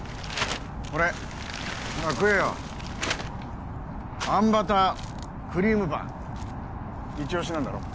これほら食えよあんバタークリームパンイチオシなんだろ？